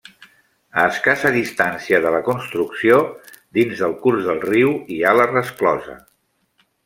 A escassa distància de la construcció, dins del curs del riu, hi ha la resclosa.